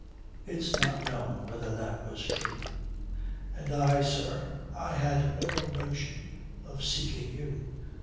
(It's not known whether that was true.) "And I, sir I had no notion of seeking you."